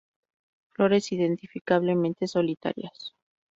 Flores indefectiblemente solitarias.